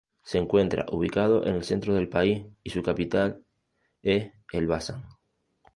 Se encuentra ubicado en el centro del país y su capital es Elbasan.